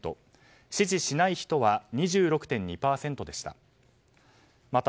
支持しない人は２６．２％でした。